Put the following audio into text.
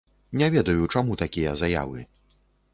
Не ведаю, чаму такія заявы.